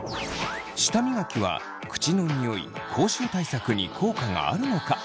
舌磨きは口のニオイ口臭対策に効果があるのか？